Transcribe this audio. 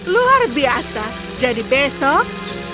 luar biasa jadi besok